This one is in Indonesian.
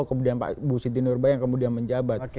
kemudian pak bu siti nurba yang kemudian menjabat